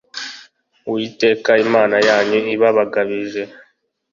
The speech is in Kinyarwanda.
Uwiteka Imana yanyu ibabagabije